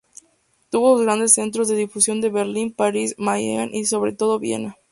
Tuvo sus grandes centros de difusión en Berlín, París, Mannheim y, sobre todo, Viena.